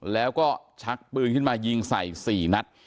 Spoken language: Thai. แล้วก็ชักปืนขึ้นมายิงใส่๔นัด